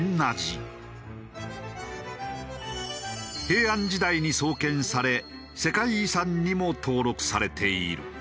平安時代に創建され世界遺産にも登録されている。